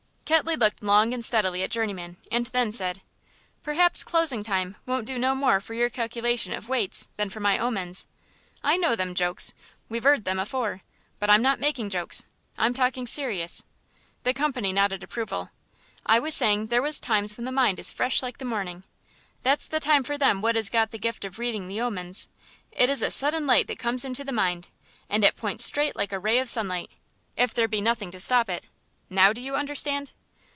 Ketley looked long and steadily at Journeyman and then said, "Perhaps closing time won't do no more for your calculation of weights than for my omens.... I know them jokes, we've 'eard them afore; but I'm not making jokes; I'm talking serious." The company nodded approval. "I was saying there was times when the mind is fresh like the morning. That's the time for them what 'as got the gift of reading the omens. It is a sudden light that comes into the mind, and it points straight like a ray of sunlight, if there be nothing to stop it.... Now do you understand?"